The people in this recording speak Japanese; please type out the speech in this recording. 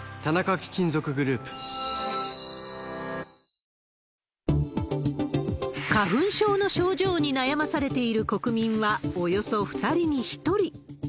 この季節、花粉症の症状に悩まされている国民は、およそ２人に１人。